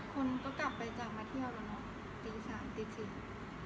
คนก็กลับไปจากมาเที่ยวแล้วเนอะตีสามตีสี่